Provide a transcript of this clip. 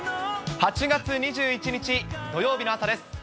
８月２１日土曜日の朝です。